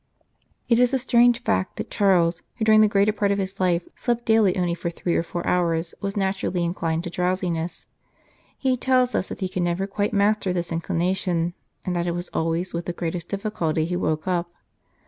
It is a strange fact that Charles, who during the greater part of his life slept daily only for three or four hours, was naturally inclined to drowsiness. He tells us that he could never quite master this inclination, and that it was always with the 204 The Cardinal of Santa Prassede greatest difficulty he woke up.